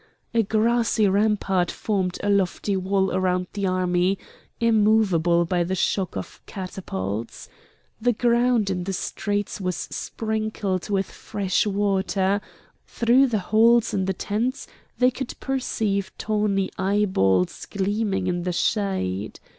A grassy rampart formed a lofty wall round the army immovable by the shock of catapults. The ground in the streets was sprinkled with fresh water; through the holes in the tents they could perceive tawny eyeballs gleaming in the shade.